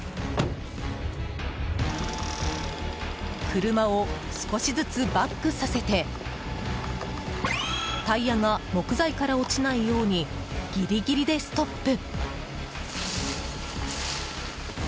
車を少しずつバックさせてタイヤが木材から落ちないようにギリギリでストップ。